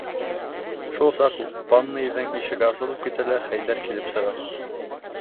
Шул саҡ ванныйҙың ишеге асылып китә лә Хәйҙәр килеп сыға.